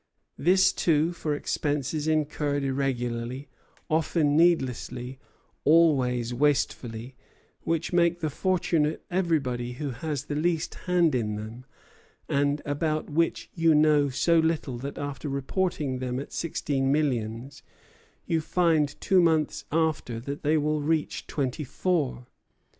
This, too, for expenses incurred irregularly, often needlessly, always wastefully; which make the fortune of everybody who has the least hand in them, and about which you know so little that after reporting them at sixteen millions, you find two months after that they will reach twenty four.